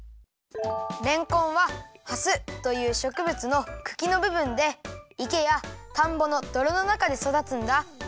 れんこんは「はす」というしょくぶつのくきのぶぶんでいけやたんぼのどろのなかでそだつんだ。